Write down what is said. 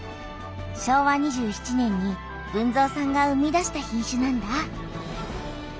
昭和２７年に豊造さんが生み出した品種なんだ。